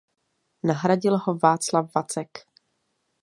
Nahradil ho Václav Vacek.